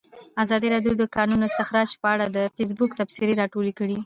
ازادي راډیو د د کانونو استخراج په اړه د فیسبوک تبصرې راټولې کړي.